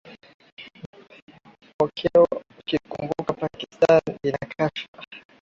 okeo ukikubuka pakistani ina kashfa